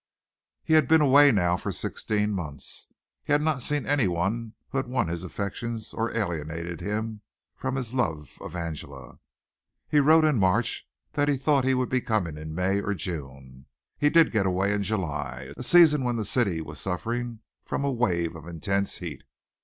He had been away now sixteen months, had not seen anyone who had won his affections or alienated him from his love of Angela. He wrote in March that he thought he would be coming in May or June. He did get away in July a season when the city was suffering from a wave of intense heat.